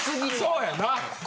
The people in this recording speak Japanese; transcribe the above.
そうやな。